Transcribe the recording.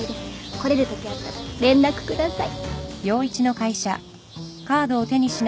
来れるときあったら連絡下さい